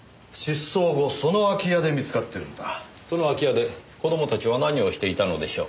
その空き家で子供たちは何をしていたのでしょう？